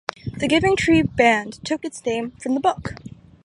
The Giving Tree Band took its name from the book.